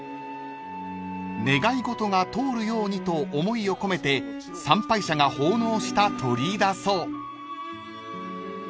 ［願い事が通るようにと思いを込めて参拝者が奉納した鳥居だそう］